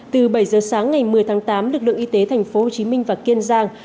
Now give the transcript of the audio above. từ bảy giờ sáng ngày một mươi tháng tám lực lượng y tế thành phố hồ chí minh và kiên giang